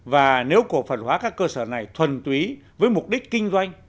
và nếu cổ phần hóa các cơ sở này thuần túy với mục đích kinh doanh